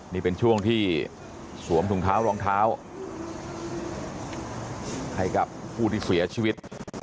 นี่เป็นช่วงที่สวมถุงเท้ารองเท้าให้กับผู้ที่เสียชีวิต